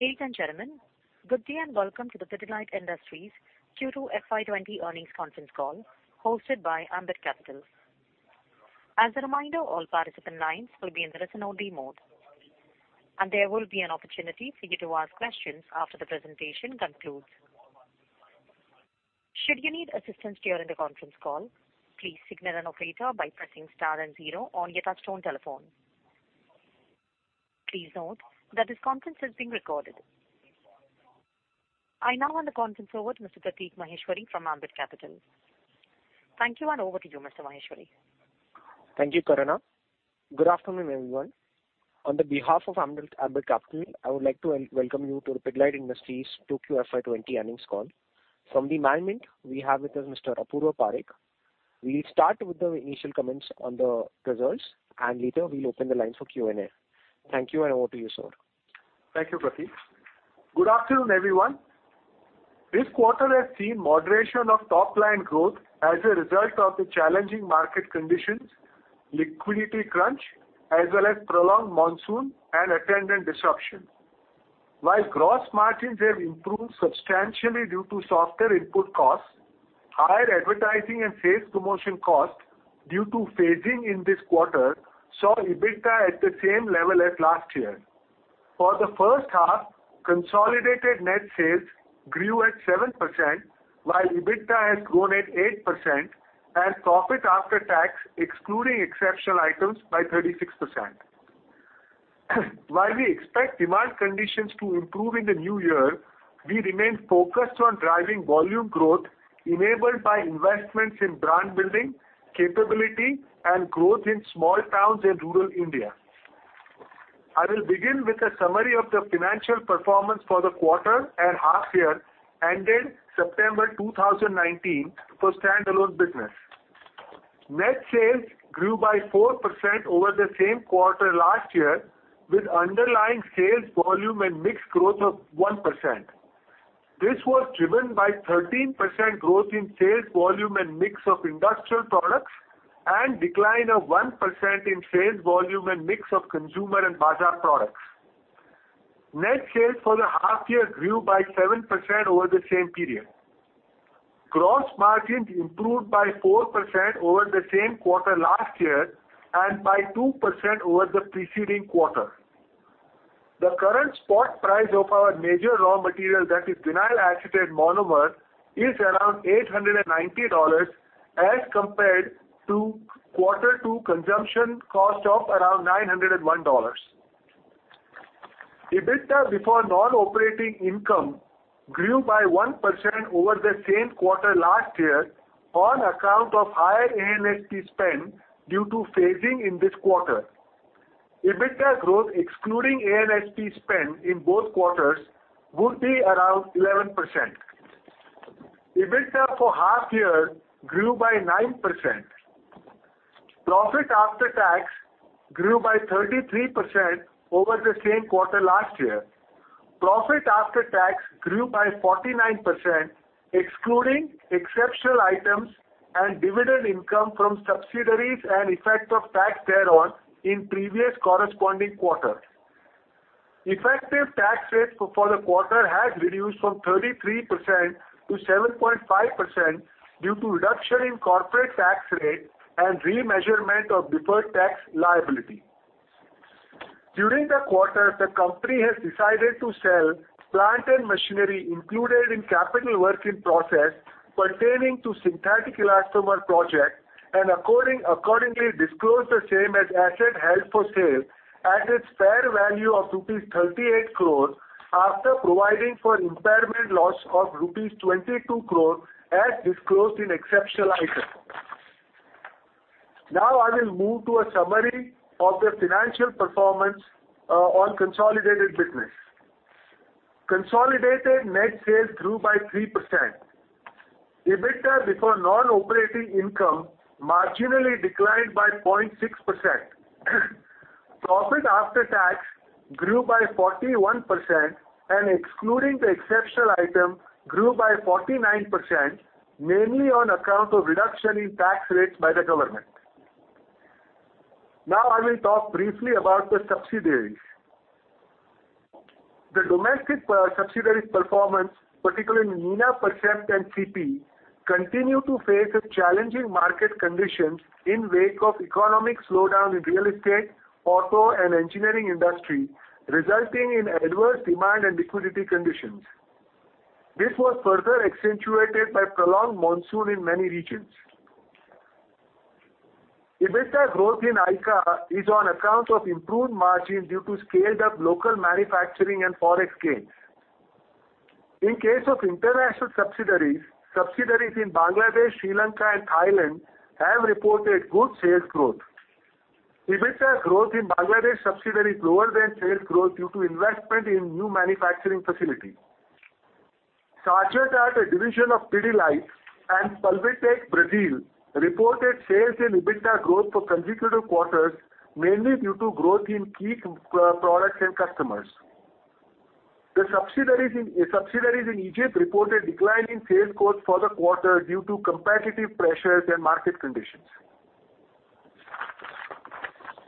Ladies and gentlemen, good day, and welcome to the Pidilite Industries Q2 FY 2020 earnings conference call hosted by Ambit Capital. As a reminder, all participant lines will be in the listen-only mode, and there will be an opportunity for you to ask questions after the presentation concludes. Should you need assistance during the conference call, please signal an operator by pressing star and zero on your touch-tone telephone. Please note that this conference is being recorded. I now hand the conference over to Mr. Prateek Maheshwari from Ambit Capital. Thank you, and over to you, Mr. Maheshwari. Thank you, Karuna. Good afternoon, everyone. On the behalf of Ambit Capital, I would like to welcome you to the Pidilite Industries 2Q FY 2020 earnings call. From the management, we have with us Mr. Apurva Parekh. We'll start with the initial comments on the results, and later we'll open the lines for Q&A. Thank you, and over to you, sir. Thank you, Prateek. Good afternoon, everyone. This quarter has seen moderation of top-line growth as a result of the challenging market conditions, liquidity crunch, as well as prolonged monsoon and attendant disruption. While gross margins have improved substantially due to softer input costs, higher advertising and sales promotion costs due to phasing in this quarter saw EBITDA at the same level as last year. For the first half, consolidated net sales grew at 7%, while EBITDA has grown at 8%, and profit after tax excluding exceptional items by 36%. While we expect demand conditions to improve in the new year, we remain focused on driving volume growth enabled by investments in brand building, capability, and growth in small towns in rural India. I will begin with a summary of the financial performance for the quarter and half year ended September 2019 for standalone business. Net sales grew by 4% over the same quarter last year, with underlying sales volume and mix growth of 1%. This was driven by 13% growth in sales volume and mix of industrial products and decline of 1% in sales volume and mix of Consumer & Bazaar products. Net sales for the half year grew by 7% over the same period. Gross margins improved by 4% over the same quarter last year and by 2% over the preceding quarter. The current spot price of our major raw material, that is vinyl acetate monomer, is around $890 as compared to quarter two consumption cost of around $901. EBITDA before non-operating income grew by 1% over the same quarter last year on account of higher A&SP spend due to phasing in this quarter. EBITDA growth excluding A&SP spend in both quarters would be around 11%. EBITDA for half year grew by 9%. Profit after tax grew by 33% over the same quarter last year. Profit after tax grew by 49%, excluding exceptional items and dividend income from subsidiaries and effect of tax thereon in previous corresponding quarter. Effective tax rate for the quarter has reduced from 33% to 7.5% due to reduction in corporate tax rate and remeasurement of deferred tax liability. During the quarter, the company has decided to sell plant and machinery included in capital work in process pertaining to synthetic elastomer project and accordingly disclose the same as asset held for sale at its fair value of rupees 38 crores after providing for impairment loss of rupees 22 crores as disclosed in exceptional item. I will move to a summary of the financial performance on consolidated business. Consolidated net sales grew by 3%. EBITDA before non-operating income marginally declined by 0.6%. Profit after tax grew by 41% and excluding the exceptional item grew by 49%, mainly on account of reduction in tax rates by the government. I will talk briefly about the subsidiaries. The domestic subsidiaries performance, particularly in Nina Percept and CP, continue to face a challenging market conditions in wake of economic slowdown in real estate, auto, and engineering industry, resulting in adverse demand and liquidity conditions. This was further accentuated by prolonged monsoon in many regions. EBITDA growth in AICA is on account of improved margin due to scaled-up local manufacturing and ForEx gains. In case of international subsidiaries in Bangladesh, Sri Lanka, and Thailand have reported good sales growth. EBITDA growth in Bangladesh subsidiary is lower than sales growth due to investment in new manufacturing facility. Sargot, a division of Pidilite, and Pulvitec, Brazil, reported sales and EBITDA growth for consecutive quarters, mainly due to growth in key products and customers. The subsidiaries in Egypt reported decline in sales growth for the quarter due to competitive pressures and market conditions.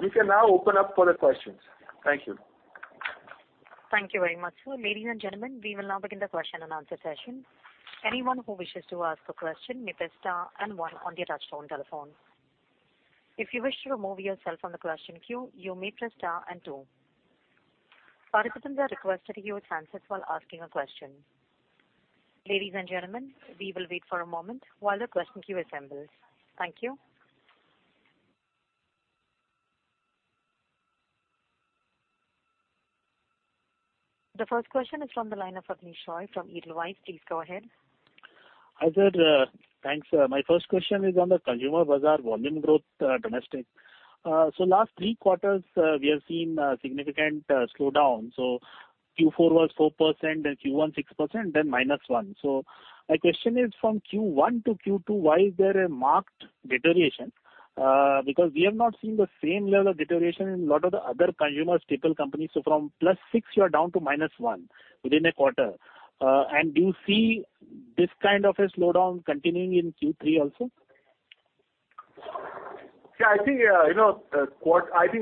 We can now open up for the questions. Thank you. Thank you very much, sir. Ladies and gentlemen, we will now begin the question and answer session. Anyone who wishes to ask a question may press star and one on their touchtone telephone. If you wish to remove yourself from the question queue, you may press star and two. Participants are requested to mute answers while asking a question. Ladies and gentlemen, we will wait for a moment while the question queue assembles. Thank you. The first question is from the line of Ratnesh Roy from Edelweiss. Please go ahead. Hi, sir. Thanks. My first question is on the Consumer Bazaar volume growth domestic. Last three quarters, we have seen a significant slowdown. Q4 was 4%, then Q1 6%, then -1%. My question is, from Q1 to Q2, why is there a marked deterioration? We have not seen the same level of deterioration in a lot of the other consumer staple companies. From plus six, you are down to minus one within a quarter. Do you see this kind of a slowdown continuing in Q3 also? I think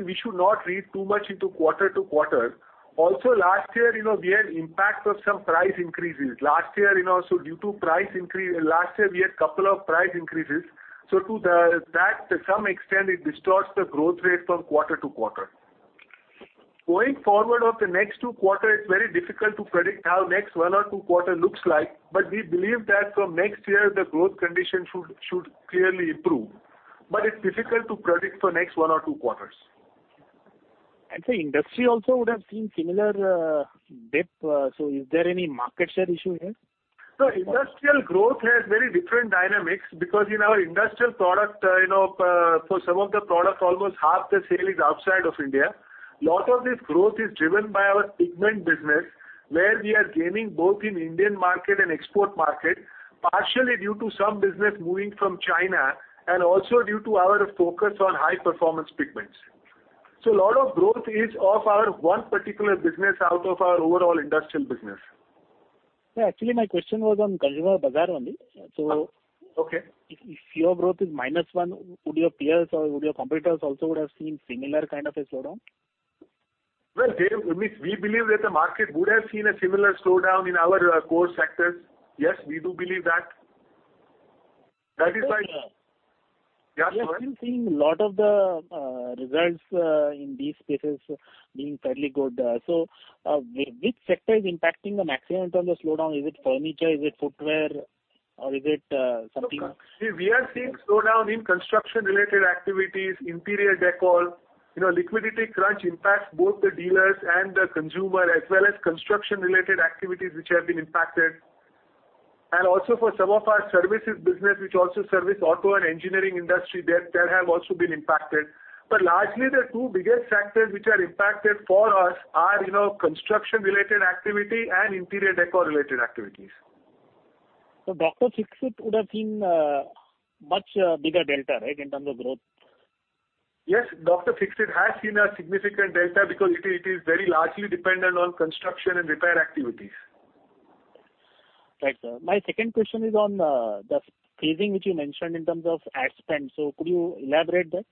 we should not read too much into quarter to quarter. Last year, we had impact of some price increases. Last year, we had couple of price increases, so to that some extent it distorts the growth rate from quarter to quarter. Going forward of the next two quarter, it is very difficult to predict how next one or two quarter looks like. We believe that from next year, the growth condition should clearly improve. It is difficult to predict for next one or two quarters. Sir, industry also would have seen similar dip, so is there any market share issue here? Industrial growth has very different dynamics because in our industrial product, for some of the products, almost half the sale is outside of India. Lot of this growth is driven by our pigment business, where we are gaining both in Indian market and export market, partially due to some business moving from China, and also due to our focus on high-performance pigments. A lot of growth is of our one particular business out of our overall industrial business. Yeah, actually, my question was on Consumer Bazaar only. Okay. If your growth is minus one, would your peers or would your competitors also have seen similar kind of a slowdown? Well, we believe that the market would have seen a similar slowdown in our core sectors. Yes, we do believe that. That is why. We are still seeing a lot of the results in these spaces being fairly good. Which sector is impacting the maximum in terms of slowdown? Is it furniture, is it footwear, or is it something- We are seeing slowdown in construction-related activities, interior decor. Liquidity crunch impacts both the dealers and the consumer, as well as construction-related activities which have been impacted. Also for some of our services business, which also service auto and engineering industry, they have also been impacted. Largely, the two biggest sectors which are impacted for us are construction-related activity and interior decor-related activities. Dr. Fixit would have seen a much bigger delta, right, in terms of growth? Yes, Dr. Fixit has seen a significant delta because it is very largely dependent on construction and repair activities. Right, sir. My second question is on the phasing, which you mentioned in terms of ad spend. Could you elaborate that?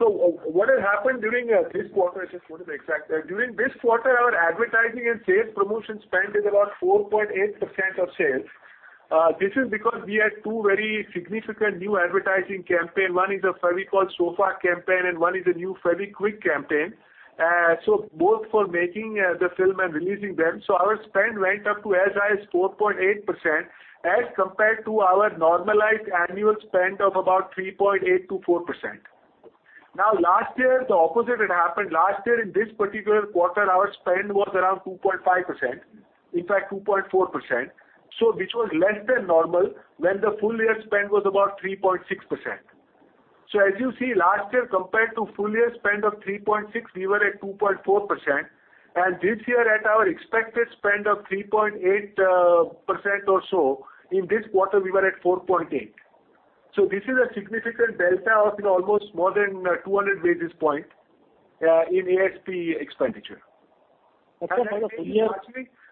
During this quarter, our advertising and sales promotion spend is about 4.8% of sales. This is because we had two very significant new advertising campaign. One is a Fevicol Sofa campaign and one is a new Fevikwik campaign. Both for making the film and releasing them. Our spend went up to as high as 4.8%, as compared to our normalized annual spend of about 3.8%-4%. Last year, the opposite had happened. Last year in this particular quarter, our spend was around 2.5%, in fact, 2.4%, which was less than normal, when the full year spend was about 3.6%. As you see, last year compared to full year spend of 3.6%, we were at 2.4%. This year at our expected spend of 3.8% or so, in this quarter, we were at 4.8%. This is a significant delta of almost more than 200 basis points in A&SP expenditure. That's for the full year?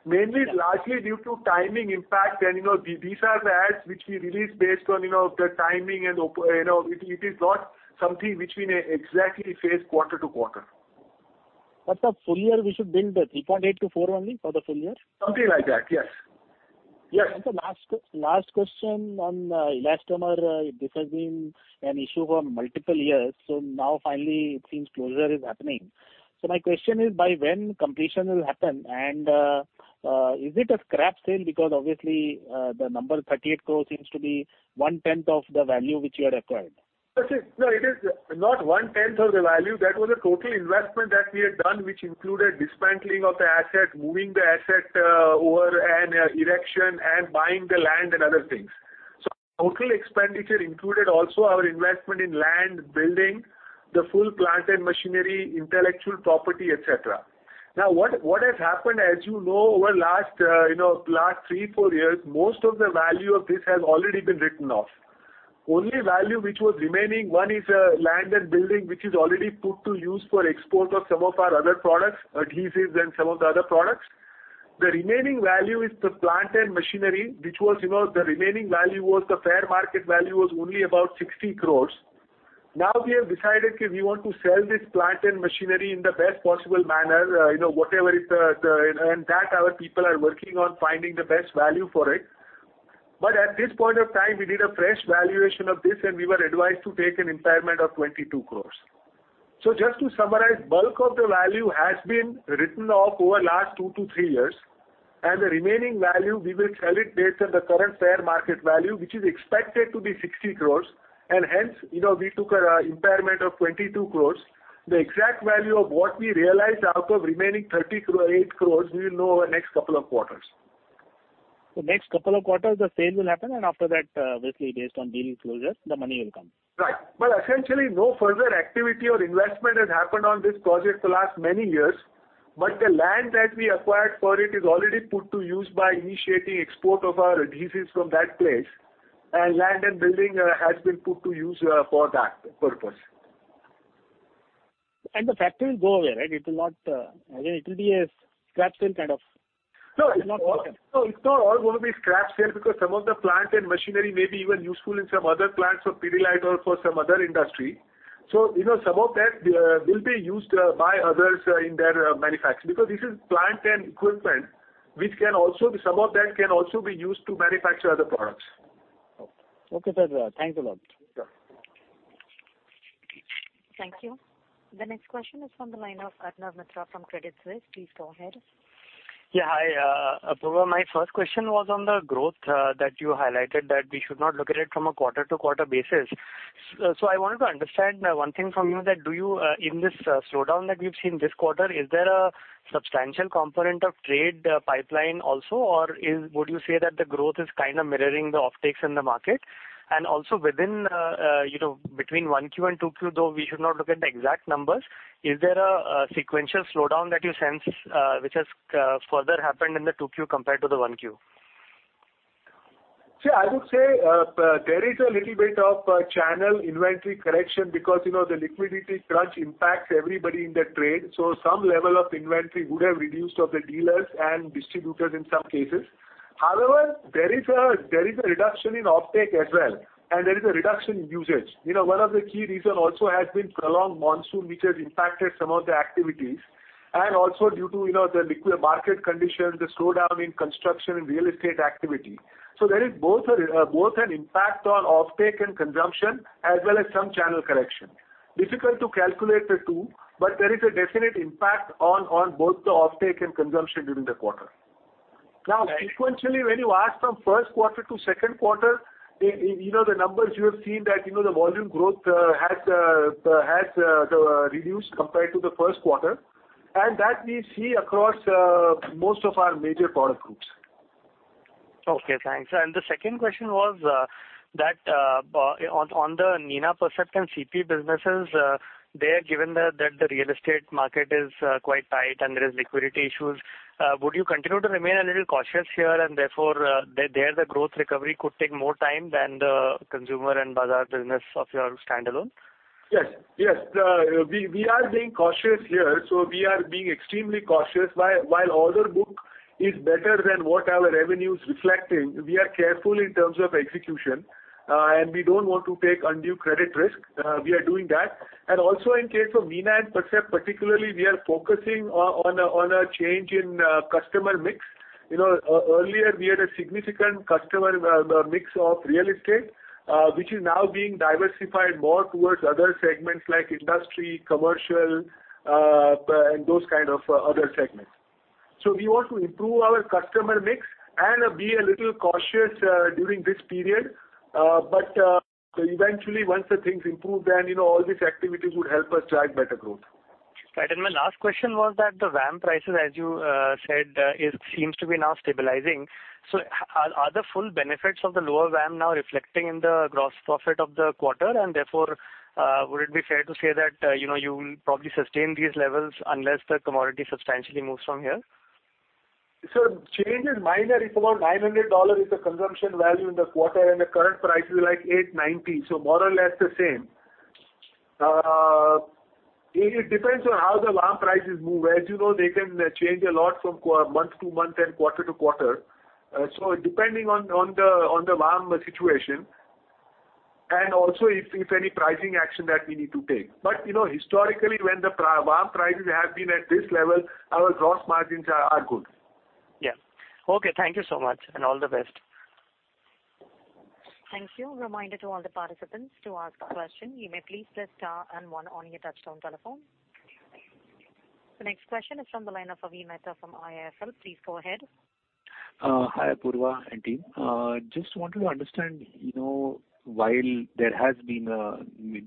Mainly, largely due to timing impact and these are the ads which we release based on the timing and it is not something which we exactly phase quarter-to-quarter. Sir, full year we should build the 3.8%-4% only for the full year? Something like that, yes. Sir last question on elastomer. This has been an issue for multiple years. Now finally it seems closure is happening. My question is by when completion will happen and is it a scrap sale? Obviously, the number 38 crore seems to be one-tenth of the value which you had acquired. No, it is not one-tenth of the value. That was the total investment that we had done, which included dismantling of the asset, moving the asset over, and erection and buying the land and other things. Total expenditure included also our investment in land, building, the full plant and machinery, intellectual property, et cetera. What has happened, as you know, over last three, four years, most of the value of this has already been written off. Only value which was remaining, one is land and building, which is already put to use for export of some of our other products, adhesives and some of the other products. The remaining value is the plant and machinery, the remaining value was the fair market value was only about 60 crores. We have decided we want to sell this plant and machinery in the best possible manner, and that our people are working on finding the best value for it. At this point of time, we did a fresh valuation of this, and we were advised to take an impairment of 22 crores. Just to summarize, bulk of the value has been written off over last two to three years, and the remaining value, we will sell it based on the current fair market value, which is expected to be 60 crores, and hence, we took an impairment of 22 crores. The exact value of what we realized out of remaining 38 crores, we will know over next couple of quarters. Next couple of quarters the sale will happen, and after that, obviously based on deal closures, the money will come. Right. Essentially, no further activity or investment has happened on this project for last many years. The land that we acquired for it is already put to use by initiating export of our adhesives from that place, and land and building has been put to use for that purpose. The factory will go away, right? It will be a scrap sale kind of. No, it's not all going to be scrap sale because some of the plant and machinery may be even useful in some other plants for Pidilite or for some other industry. Some of that will be used by others in their manufacturing, because this is plant and equipment, some of that can also be used to manufacture other products. Okay, sir. Thanks a lot. Sure. Thank you. The next question is from the line of Arnab Mitra from Credit Suisse. Please go ahead. Apurva, my first question was on the growth that you highlighted that we should not look at it from a quarter-to-quarter basis. I wanted to understand one thing from you that, in this slowdown that we've seen this quarter, is there a substantial component of trade pipeline also, or would you say that the growth is kind of mirroring the offtakes in the market? Between one Q and two Q, though we should not look at the exact numbers, is there a sequential slowdown that you sense which has further happened in the two Q compared to the one Q? I would say there is a little bit of channel inventory correction because the liquidity crunch impacts everybody in the trade. Some level of inventory would have reduced of the dealers and distributors in some cases. However, there is a reduction in offtake as well, and there is a reduction in usage. One of the key reason also has been prolonged monsoon, which has impacted some of the activities, and also due to the liquid market conditions, the slowdown in construction and real estate activity. There is both an impact on offtake and consumption as well as some channel correction. Difficult to calculate the two, there is a definite impact on both the offtake and consumption during the quarter. Sequentially, when you ask from first quarter to second quarter, the numbers you have seen that the volume growth has reduced compared to the first quarter, and that we see across most of our major product groups. Okay, thanks. The second question was that on the Nina Percept and CP businesses, there, given that the real estate market is quite tight and there is liquidity issues, would you continue to remain a little cautious here and therefore there the growth recovery could take more time than the consumer and Bazaar business of your standalone? Yes. We are being cautious here, so we are being extremely cautious. While order book is better than what our revenue is reflecting, we are careful in terms of execution, and we don't want to take undue credit risk. We are doing that. Also in case of Nina and Percept particularly, we are focusing on a change in customer mix. Earlier we had a significant customer mix of real estate, which is now being diversified more towards other segments like industry, commercial, and those kind of other segments. We want to improve our customer mix and be a little cautious during this period. Eventually, once the things improve, then all these activities would help us drive better growth. Right. My last question was that the VAM prices, as you said, it seems to be now stabilizing. Are the full benefits of the lower VAM now reflecting in the gross profit of the quarter and therefore would it be fair to say that you will probably sustain these levels unless the commodity substantially moves from here? Change is minor. It's about $900 is the consumption value in the quarter and the current price is like $890, more or less the same. It depends on how the VAM prices move. As you know, they can change a lot from month to month and quarter to quarter. Depending on the VAM situation and also if any pricing action that we need to take. Historically, when the VAM prices have been at this level, our gross margins are good. Yeah. Okay. Thank you so much, and all the best. Thank you. Reminder to all the participants to ask a question, you may please press star and one on your touchtone telephone. The next question is from the line of Avi Mehta from IIFL. Please go ahead. Hi, Apurva and team. Just wanted to understand, while there has been a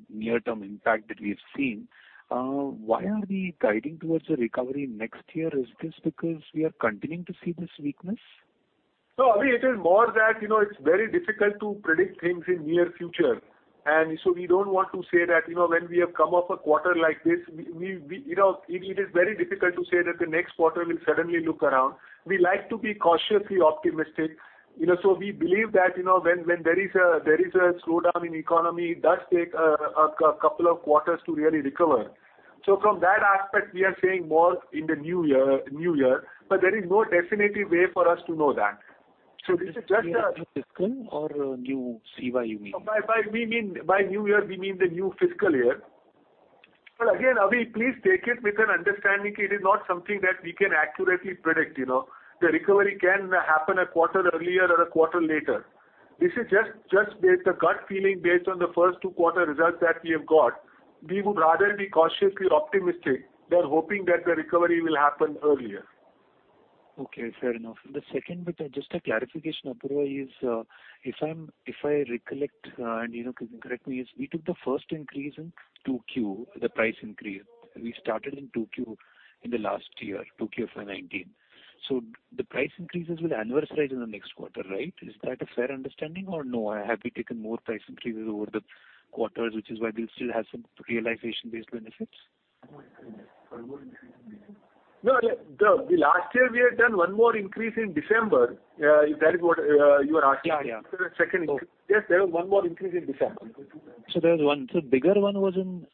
near-term impact that we've seen, why are we guiding towards a recovery next year? Is this because we are continuing to see this weakness? No, Avi, it is more that it's very difficult to predict things in near future. We don't want to say that when we have come off a quarter like this, it is very difficult to say that the next quarter will suddenly look around. We like to be cautiously optimistic. We believe that when there is a slowdown in economy, it does take a couple of quarters to really recover. From that aspect, we are saying more in the new year, but there is no definitive way for us to know that. New fiscal or new CY you mean? By new year, we mean the new fiscal year. Again, Avi, please take it with an understanding it is not something that we can accurately predict. The recovery can happen a quarter earlier or a quarter later. This is just the gut feeling based on the first two quarter results that we have got. We would rather be cautiously optimistic than hoping that the recovery will happen earlier. Okay, fair enough. The second bit, just a clarification, Apurva, is if I recollect, and you can correct me, is we took the first increase in 2Q, the price increase. We started in 2Q in the last year, 2Q FY 2019. The price increases will annualize in the next quarter, right? Is that a fair understanding or no? Have we taken more price increases over the quarters, which is why we still have some realization-based benefits? No, the last year we had done one more increase in December, if that is what you are asking. Yeah. The second increase. Yes, there was one more increase in December. The bigger one was in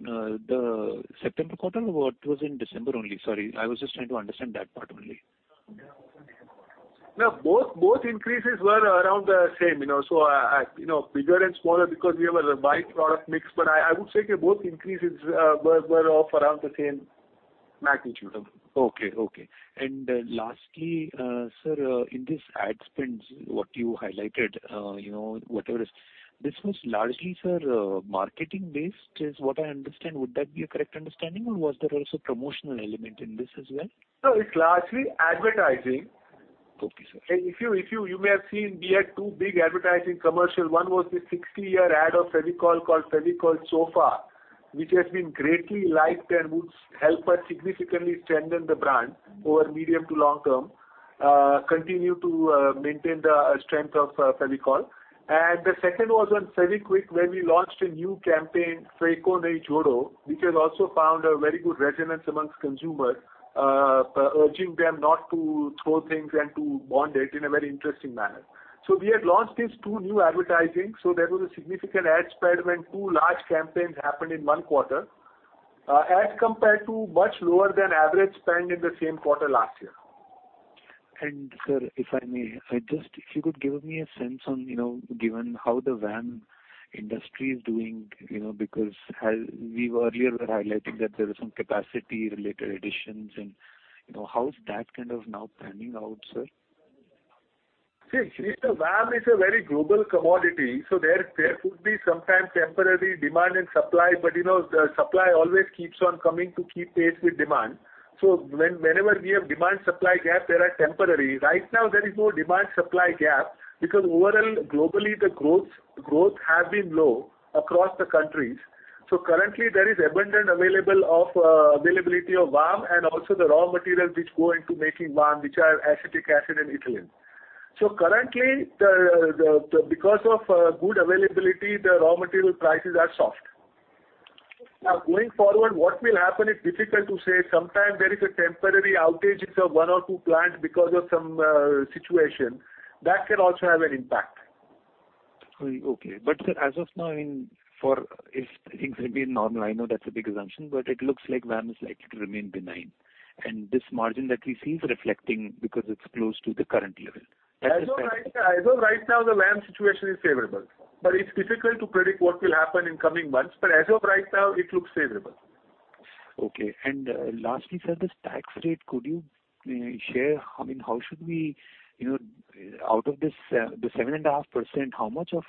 the September quarter, or it was in December only? Sorry, I was just trying to understand that part only. No, both increases were around the same. Bigger and smaller because we have a wide product mix, but I would say both increases were off around the same magnitude. Okay. Lastly, sir, in this ad spends, what you highlighted, this was largely, sir, marketing-based is what I understand. Would that be a correct understanding or was there also promotional element in this as well? No, it's largely advertising. Okay, sir. You may have seen we had two big advertising commercial. One was the 60-year ad of Fevicol called Fevicol Sofa, which has been greatly liked and would help us significantly strengthen the brand over medium to long term, continue to maintain the strength of Fevicol. The second was on Fevikwik, where we launched a new campaign, which has also found a very good resonance among consumers, urging them not to throw things and to bond it in a very interesting manner. We had launched these two new advertising, there was a significant ad spend when two large campaigns happened in one quarter, as compared to much lower than average spend in the same quarter last year. Sir, if I may, if you could give me a sense on, given how the VAM industry is doing because we earlier were highlighting that there are some capacity-related additions and how's that kind of now panning out, sir? The VAM is a very global commodity, there could be some time temporary demand and supply, the supply always keeps on coming to keep pace with demand. Whenever we have demand-supply gaps, they are temporary. Right now, there is no demand-supply gap because overall, globally, the growth has been low across the countries. Currently, there is abundant availability of VAM and also the raw materials which go into making VAM, which are acetic acid and ethylene. Currently, because of good availability, the raw material prices are soft. Going forward, what will happen, it's difficult to say. Sometime there is a temporary outage of one or two plants because of some situation. That can also have an impact. Okay. Sir, as of now, if things remain normal, I know that's a big assumption, but it looks like VAM is likely to remain benign. This margin that we see is reflecting because it's close to the current level. As of right now, the VAM situation is favorable. It's difficult to predict what will happen in coming months. As of right now, it looks favorable. Okay. Lastly, sir, this tax rate, could you share, out of this the 7.5%,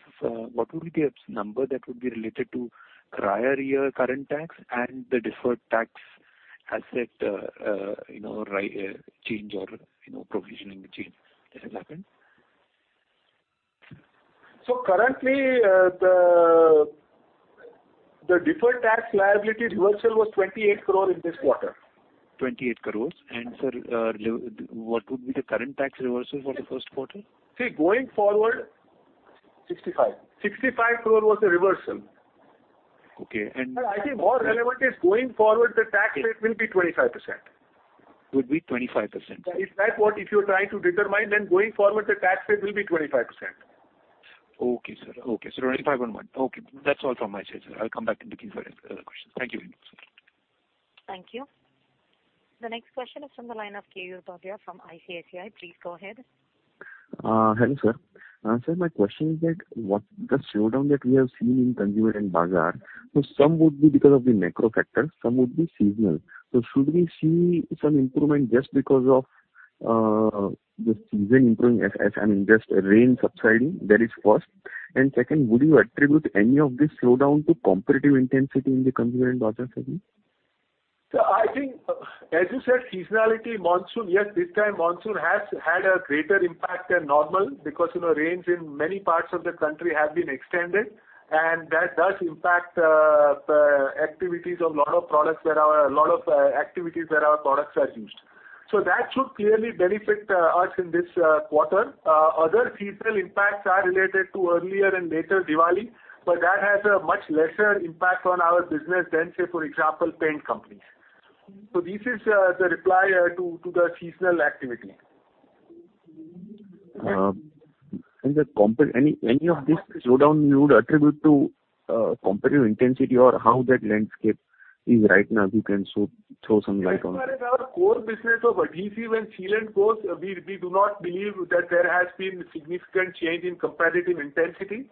what would be the number that would be related to prior year current tax and the deferred tax asset change or provisioning change that has happened? Currently, the deferred tax liability reversal was 28 crore in this quarter. 28 crores. Sir, what would be the current tax reversal for the first quarter? See, going forward. 65 65 crore was the reversal. Okay. I think more relevant is going forward, the tax rate will be 25%. Will be 25%. If that's what you're trying to determine, then going forward, the tax rate will be 25%. Okay, sir. 25.1. Okay, that's all from my side, sir. I'll come back in the queue for other questions. Thank you very much, sir. Thank you. The next question is from the line of Keyur Babaria from ICICI. Please go ahead. Hello, sir. Sir, my question is that what the slowdown that we have seen in Consumer and Bazaar, some would be because of the macro factors, some would be seasonal. Should we see some improvement just because of the season improving as in just rain subsiding? That is first. Second, would you attribute any of this slowdown to competitive intensity in the Consumer and Bazaar segment? Sir, I think as you said, seasonality, monsoon. Yes, this time monsoon has had a greater impact than normal because rains in many parts of the country have been extended, and that does impact the activities of a lot of activities where our products are used. That should clearly benefit us in this quarter. Other seasonal impacts are related to earlier and later Diwali, but that has a much lesser impact on our business than, say, for example, paint companies. This is the reply to the seasonal activity. Any of this slowdown you would attribute to competitive intensity or how that landscape is right now? You can throw some light on it. As far as our core business of adhesive and sealant goes, we do not believe that there has been a significant change in competitive intensity.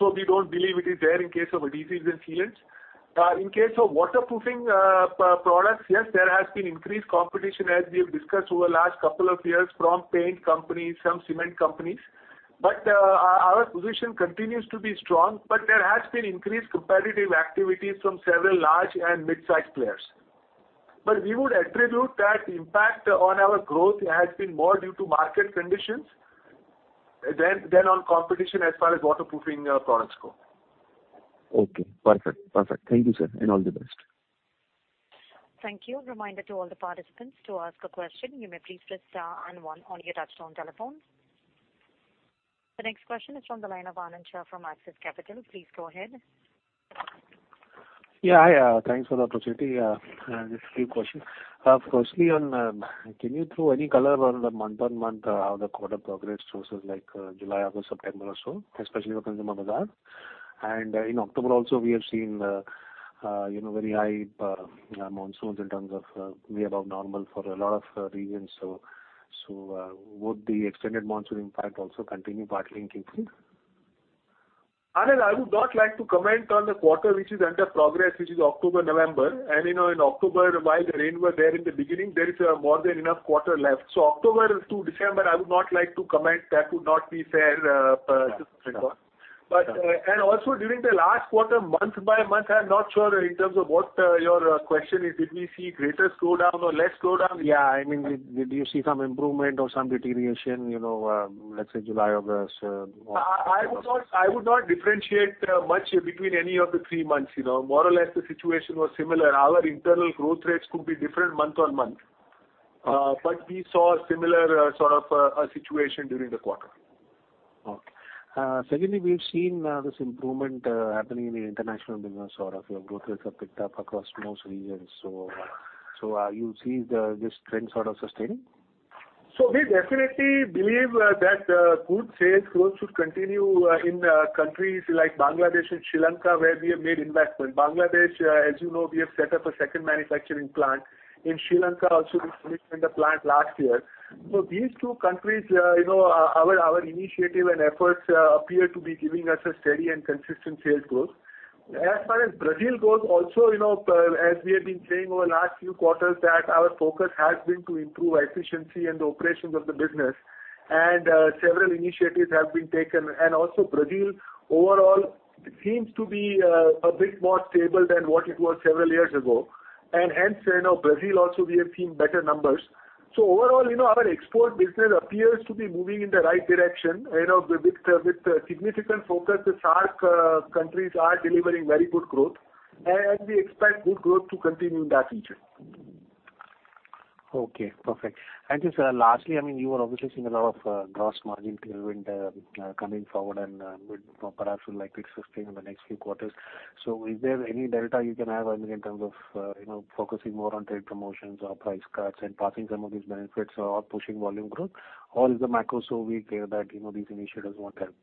We don't believe it is there in case of adhesives and sealants. In case of waterproofing products, yes, there has been increased competition, as we have discussed over the last couple of years from paint companies, some cement companies, but our position continues to be strong. We would attribute that impact on our growth has been more due to market conditions than on competition as far as waterproofing products go. Okay, perfect. Thank you, sir, and all the best. Thank you. A reminder to all the participants to ask a question, you may please press star and one on your touchtone telephones. The next question is from the line of Anand Shah from Axis Capital. Please go ahead. Yeah, hi. Thanks for the opportunity. Just a few questions. Firstly, can you throw any color on the month-on-month how the quarter progress goes like July, August, September or so, especially looking at the monsoons? In October also we have seen very high monsoons in terms of way above normal for a lot of regions. Would the extended monsoon impact also continue partly in Q3? Anan, I would not like to comment on the quarter which is under progress, which is October, November. In October, while the rain was there in the beginning, there is more than enough quarter left. October to December, I would not like to comment. That would not be fair to comment. Sure. Also during the last quarter, month by month, I'm not sure in terms of what your question is. Did we see greater slowdown or less slowdown? Yeah. Did you see some improvement or some deterioration, let's say July, August? I would not differentiate much between any of the three months. More or less the situation was similar. Our internal growth rates could be different month on month. We saw a similar sort of situation during the quarter. Okay. Secondly, we've seen this improvement happening in the international business. Your growth rates have picked up across most regions. Are you seeing this trend sort of sustaining? We definitely believe that good sales growth should continue in countries like Bangladesh and Sri Lanka where we have made investments. Bangladesh, as you know, we have set up a second manufacturing plant. In Sri Lanka also we finished with the plant last year. These two countries, our initiative and efforts appear to be giving us a steady and consistent sales growth. As far as Brazil goes also, as we have been saying over the last few quarters that our focus has been to improve efficiency and operations of the business, and several initiatives have been taken. Also Brazil overall seems to be a bit more stable than what it was several years ago. Hence, Brazil also we have seen better numbers. Overall, our export business appears to be moving in the right direction. With significant focus, the SAARC countries are delivering very good growth, and we expect good growth to continue in that region. Okay, perfect. Just lastly, you are obviously seeing a lot of gross margin improvement coming forward and perhaps would likely sustain in the next few quarters. Is there any delta you can add in terms of focusing more on trade promotions or price cuts and passing some of these benefits or pushing volume growth? Is the macro so weak here that these initiatives won't help?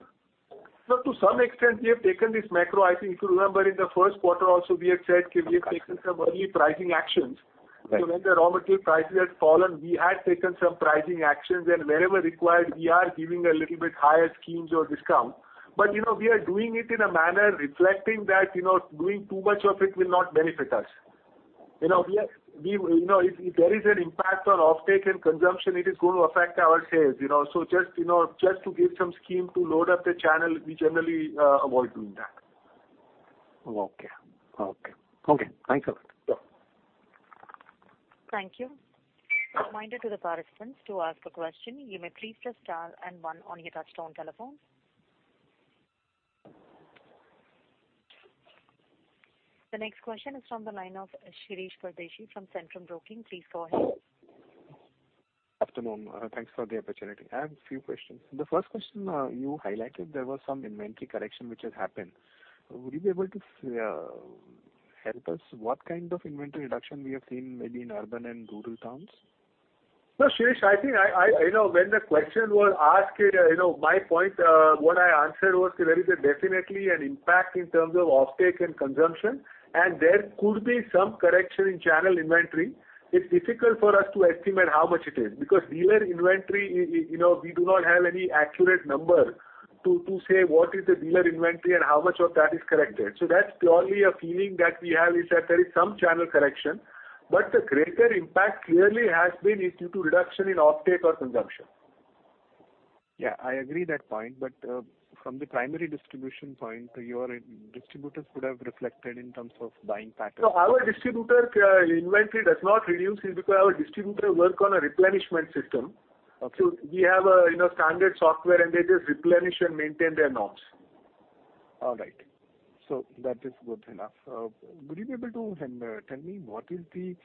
To some extent, we have taken this macro. I think if you remember in the first quarter also we had said that we have taken some early pricing actions. Right. When the raw material prices had fallen, we had taken some pricing actions, and wherever required, we are giving a little bit higher schemes or discount. We are doing it in a manner reflecting that doing too much of it will not benefit us. If there is an impact on off take and consumption, it is going to affect our sales. Just to give some scheme to load up the channel, we generally avoid doing that. Okay. Thanks a lot. Sure. Thank you. A reminder to the participants to ask a question, you may please press star and one on your touchtone telephones. The next question is from the line of Shirish Pardeshi from Centrum Broking. Please go ahead. Afternoon. Thanks for the opportunity. I have a few questions. The first question you highlighted there was some inventory correction which has happened. Would you be able to help us what kind of inventory reduction we have seen maybe in urban and rural towns? No, Shirish, I think when the question was asked, my point, what I answered was there is definitely an impact in terms of off take and consumption, and there could be some correction in channel inventory. It's difficult for us to estimate how much it is because dealer inventory, we do not have any accurate number to say what is the dealer inventory and how much of that is corrected. That's purely a feeling that we have is that there is some channel correction. The greater impact clearly has been due to reduction in off take or consumption. Yeah, I agree that point. From the primary distribution point, your distributors could have reflected in terms of buying patterns. Our distributor inventory does not reduce because our distributors work on a replenishment system. Okay. We have a standard software and they just replenish and maintain their norms. All right. That is good enough. Would you be able to tell me what is the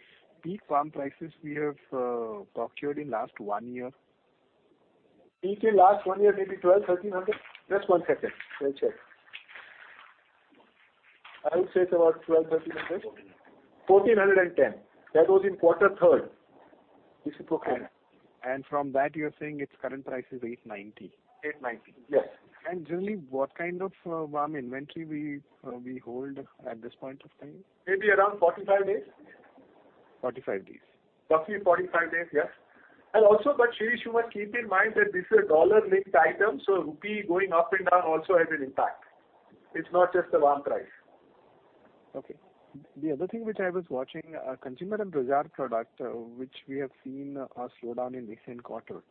peak VAM prices we have procured in last one year? Last one year, maybe 1,200, 1,300. Just one second. Let me check. I would say it's about 1,200, 1,300. 1,410. That was in quarter third. This is approximately. From that, you're saying its current price is $890. $890, yes. Generally, what kind of VAM inventory we hold at this point of time? Maybe around 45 days. 45 days. Roughly 45 days, yes. Shirish, you must keep in mind that this is a dollar-linked item, so rupee going up and down also has an impact. It's not just the VAM price. Okay. The other thing which I was watching, Consumer and Bazaar product, which we have seen a slowdown in recent quarter,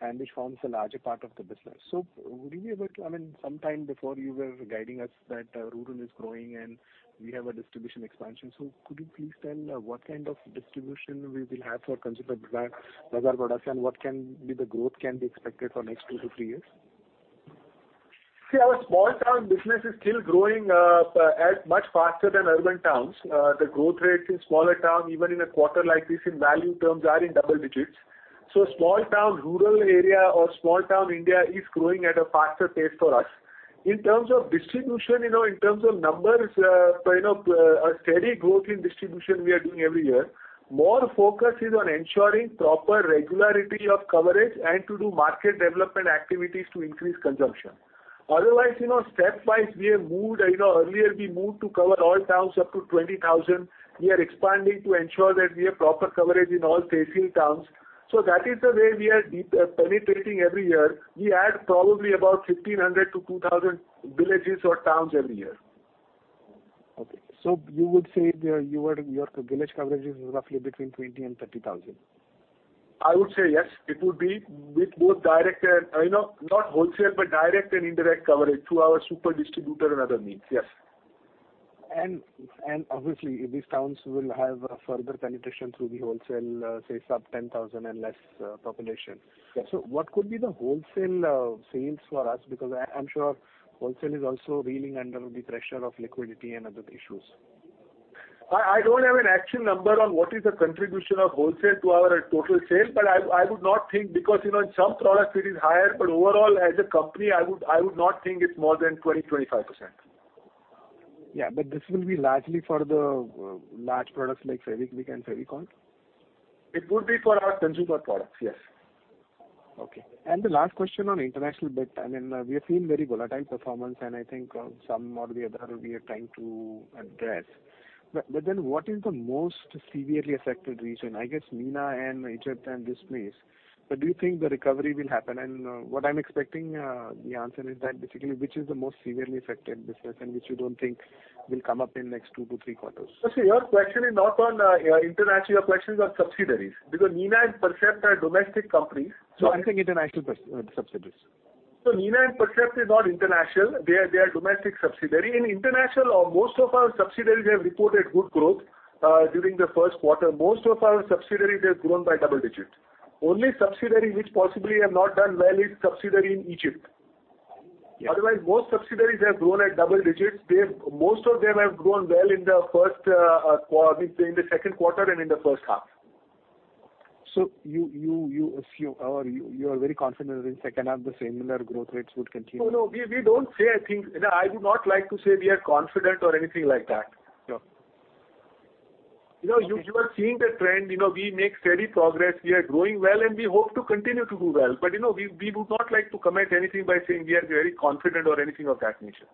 and which forms a larger part of the business. I mean, sometime before, you were guiding us that rural is growing and we have a distribution expansion. Could you please tell what kind of distribution we will have for Consumer and Bazaar products, and what growth can be expected for next two to three years? Our small town business is still growing much faster than urban towns. The growth rates in smaller towns, even in a quarter like this in value terms, are in double digits. Small town rural area or small town India is growing at a faster pace for us. In terms of distribution, in terms of numbers, a steady growth in distribution we are doing every year. More focus is on ensuring proper regularity of coverage and to do market development activities to increase consumption. Stepwise, earlier we moved to cover all towns up to 20,000. We are expanding to ensure that we have proper coverage in all tehsil towns. That is the way we are penetrating every year. We add probably about 1,500 to 2,000 villages or towns every year. Okay. You would say your village coverage is roughly between 20,000 and 30,000. I would say yes. It would be with both Not wholesale, but direct and indirect coverage through our super distributor and other means, yes. Obviously, these towns will have further penetration through the wholesale, say sub 10,000 and less population. Yes. What could be the wholesale sales for us? I'm sure wholesale is also reeling under the pressure of liquidity and other issues. I don't have an actual number on what is the contribution of wholesale to our total sale. In some products it is higher, but overall as a company, I would not think it's more than 20%, 25%. This will be largely for the large products like Fevikwik and Fevicol? It would be for our consumer products, yes. Okay. The last question on international bit. I mean, we have seen very volatile performance, and I think some or the other we are trying to address. What is the most severely affected region? I guess Nina and Egypt and this place. Do you think the recovery will happen? What I'm expecting the answer is that basically which is the most severely affected business and which you don't think will come up in next two to three quarters. No, see, your question is not on international, your question is on subsidiaries, because Nina and Percept are domestic companies. I'm saying international subsidiaries. Nina and Percept is not international. They are domestic subsidiary. In international, most of our subsidiaries have reported good growth during the first quarter. Most of our subsidiaries they have grown by double digit. Only subsidiary which possibly have not done well is subsidiary in Egypt. Yes. Most subsidiaries have grown at double digits. Most of them have grown well in the second quarter and in the first half. You are very confident that in second half the similar growth rates would continue? No, we don't say, I think I would not like to say we are confident or anything like that. Sure. You are seeing the trend. We make steady progress. We are growing well, and we hope to continue to do well. We would not like to commit anything by saying we are very confident or anything of that nature.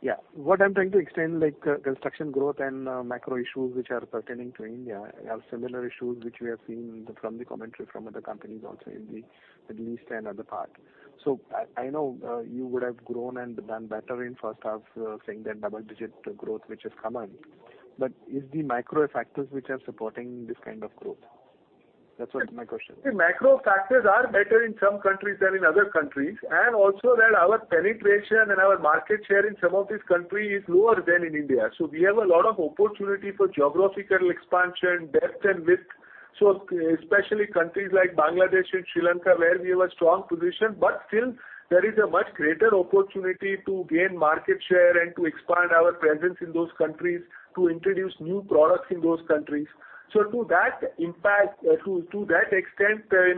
Yeah. What I'm trying to extend, like construction growth and macro issues which are pertaining to India have similar issues which we have seen from the commentary from other companies also in the Middle East and other part. I know you would have grown and done better in first half saying that double digit growth which has come in. Is the macro factors which are supporting this kind of growth? That's my question. See, macro factors are better in some countries than in other countries. Also that our penetration and our market share in some of these countries is lower than in India. We have a lot of opportunity for geographical expansion, depth, and width. Especially countries like Bangladesh and Sri Lanka, where we have a strong position, but still there is a much greater opportunity to gain market share and to expand our presence in those countries, to introduce new products in those countries. To that extent, these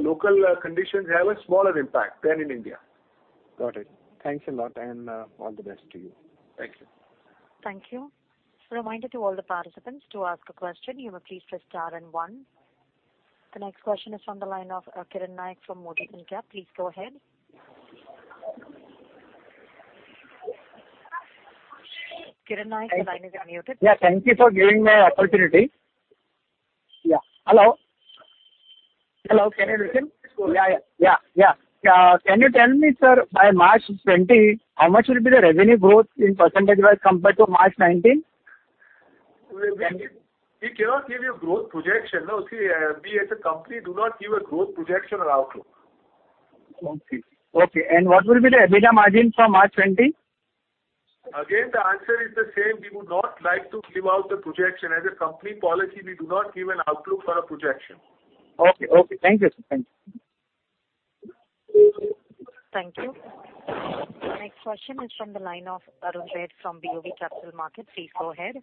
local conditions have a smaller impact than in India. Got it. Thanks a lot, and all the best to you. Thank you. Thank you. Reminder to all the participants to ask a question, you may please press star and one. The next question is from the line of Kiran Naik from Motilal Oswal. Please go ahead. Kiran Naik, your line is unmuted. Thank you for giving the opportunity. Hello? Hello, can you hear me? Yes. Yeah. Can you tell me, sir, by March 2020, how much will be the revenue growth in percentage-wise compared to March 2019? We cannot give you growth projection. No, see, we as a company do not give a growth projection or outlook. Okay. What will be the EBITDA margin for March 2020? The answer is the same. We would not like to give out the projection. As a company policy, we do not give an outlook or a projection. Okay. Thank you, sir. Thank you. Next question is from the line of Arun Baid from BOB Capital Markets. Please go ahead.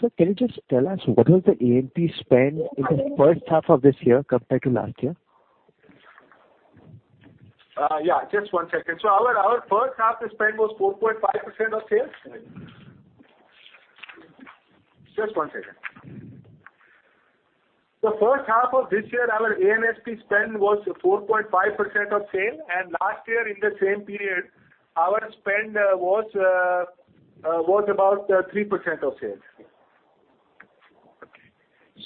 Sir, can you just tell us what was the A&P spend in the first half of this year compared to last year? Yeah, just one second. Our first half spend was 4.5% of sales. Just one second. First half of this year, our A&SP spend was 4.5% of sales, and last year in the same period, our spend was about 3% of sales.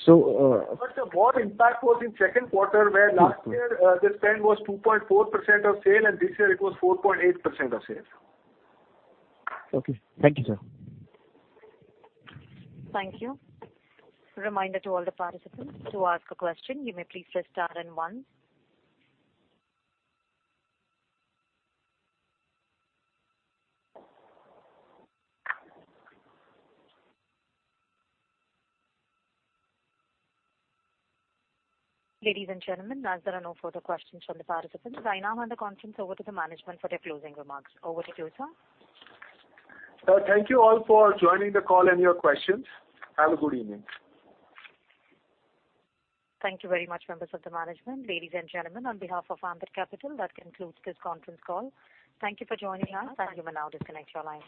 Okay. The more impact was in second quarter, where last year the spend was 2.4% of sale, and this year it was 4.8% of sale. Okay. Thank you, sir. Thank you. Reminder to all the participants, to ask a question, you may please press star and one. Ladies and gentlemen, as there are no further questions from the participants, I now hand the conference over to the management for their closing remarks. Over to you, sir. Thank you all for joining the call and your questions. Have a good evening. Thank you very much, members of the management. Ladies and gentlemen, on behalf of Ambit Capital, that concludes this conference call. Thank you for joining us, and you may now disconnect your lines.